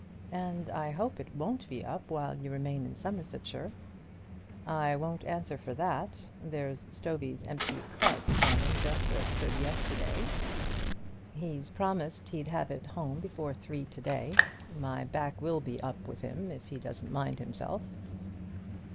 "And I hope it won't be up while you remain in Somersetshire." "I won't answer for that. There's Stovey's empty cart standing just where it stood yesterday; and he promised he'd have it home before three to day. My back will be up with him if he doesn't mind himself."